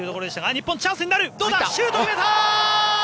日本、チャンスになるシュート入った！